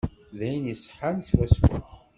D ayen iṣeḥḥan swaswa.